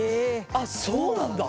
あっそうなんだ。